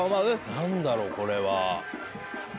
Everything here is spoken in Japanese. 何だろうこれは。